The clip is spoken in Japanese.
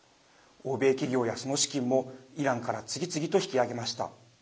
欧米企業や、その資金もイランから次々と引き上げました。